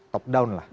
top down lah